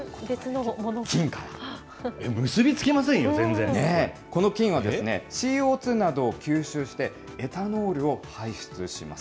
えっ、結び付きませんよ、全この菌は、ＣＯ２などを吸収して、エタノールを排出します。